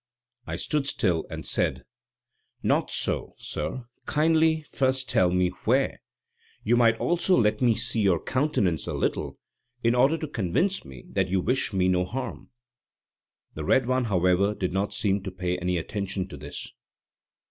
I stood still and said: "Not so, sir, kindly first tell me where; you might also let me see your countenance a little, in order to convince me that you wish me no harm." The red one, however, did not seem to pay any attention to this.